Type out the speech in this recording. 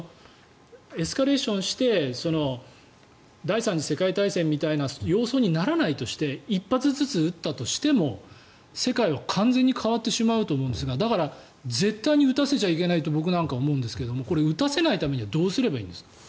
エスカレーションして第３次世界大戦みたいな様相にならないとして１発ずつ撃ったとしても世界は完全に変わってしまうと思うんですがだから、絶対に撃たせちゃいけないと僕なんかは思うんですがこれ、撃たせないためにはどうすればいいんですか？